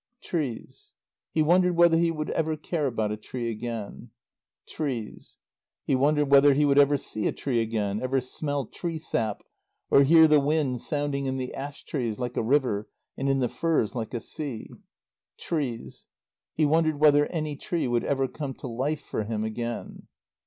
Trees He wondered whether he would ever care about a tree again. Trees He wondered whether he would ever see a tree again, ever smell tree sap, or hear the wind sounding in the ash trees like a river and in the firs like a sea. Trees He wondered whether any tree would ever come to life for him again.